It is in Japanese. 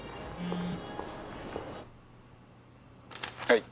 「はい」